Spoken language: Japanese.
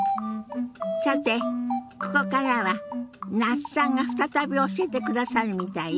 さてここからは那須さんが再び教えてくださるみたいよ。